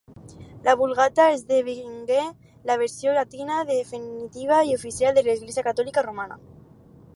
La Vulgata esdevingué la versió llatina definitiva i oficial de l'Església Catòlica Romana.